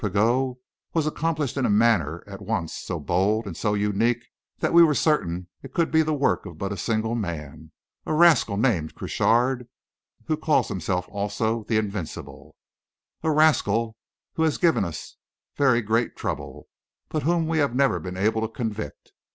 Pigot, "was accomplished in a manner at once so bold and so unique that we were certain it could be the work of but a single man a rascal named Crochard, who calls himself also 'The Invincible' a rascal who has given us very great trouble, but whom we have never been able to convict.